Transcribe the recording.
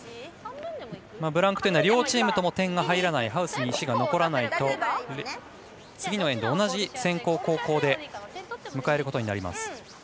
ブランクというのは両チームとも点が入らないハウスに石が残らないと次のエンド、同じ先攻・後攻で迎えることになります。